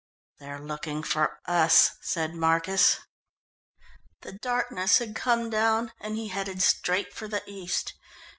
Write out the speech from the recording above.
"They're looking for us," said Marcus. The darkness had come down, and he headed straight for the east.